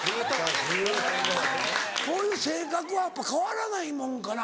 こういう性格はやっぱ変わらないもんかな？